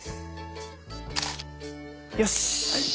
よし！